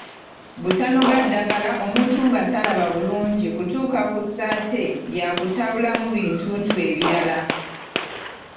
Butanoga ddagala omuntu nga talaba bulungi kutuuka ku ssa ate lya kutabulamu bintuntu ebirala.